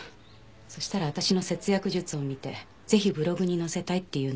そしたら私の節約術を見てぜひブログに載せたいって言うので協力していました。